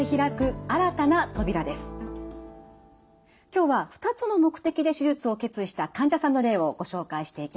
今日は２つの目的で手術を決意した患者さんの例をご紹介していきます。